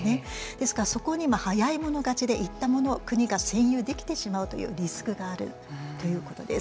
ですからそこに早い者勝ちで行ったもの国が占有できてしまうというリスクがあるということです。